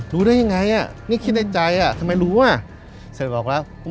รู้ได้ยังไงอ่ะนี่คิดในใจอ่ะทำไมรู้อ่ะเสร็จบอกแล้ว